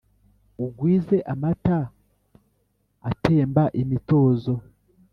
ugwize amata atemba imitozo